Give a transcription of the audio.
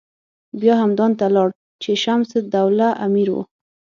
بیا همدان ته لاړ چې شمس الدوله امیر و.